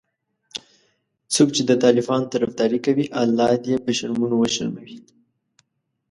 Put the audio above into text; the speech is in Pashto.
څوک چې د طالبانو طرفداري کوي الله دي په شرمونو وشرموي